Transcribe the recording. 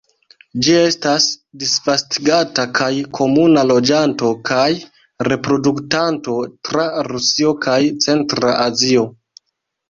Ĝi estas disvastigata kaj komuna loĝanto kaj reproduktanto tra Rusio kaj centra Azio.